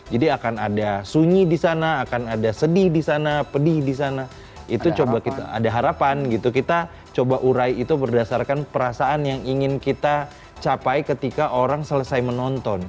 jadi akan ada sunyi disana akan ada sedih disana pedih disana itu coba kita ada harapan gitu kita coba urai itu berdasarkan perasaan yang ingin kita capai ketika orang selesai menonton